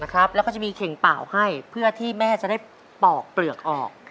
แล้วก็จะมีเข่งเปล่าให้เพื่อที่แม่จะได้ปอกเปลือกออก